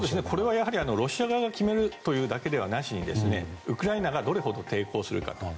これはロシア側が決めるというだけではなくウクライナがどれだけ抵抗するか。